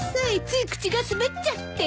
つい口が滑っちゃって。